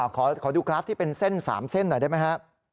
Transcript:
ขอดูกราฟที่เป็นเส้น๓เส้นหน่อยได้ไหมครับ